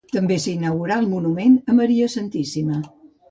També s'inaugurà el monument a Maria Santíssima.